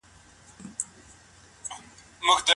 پوهه د ژوند ستونزې اسانه کوي او د حل لارې ښيي.